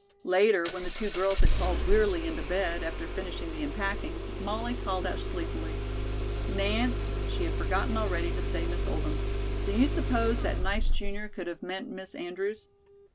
Later, when the two girls had crawled wearily into bed, after finishing the unpacking, Molly called out sleepily: "Nance" she had forgotten already to say Miss Oldham "do you suppose that nice junior could have meant Miss Andrews?"